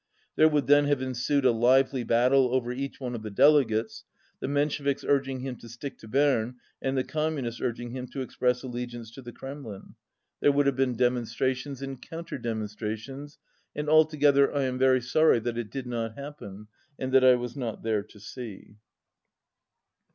There would then have ensued a lively battle over each one of the delegates, the Mensheviks urging him to stick to Berne, and the Communists urging him to express allegiance to the Kremlin. There would have been demonstra 222 tions and counter demonstrations, and altogether I am very sorry that it did not happen and that I was not there to see.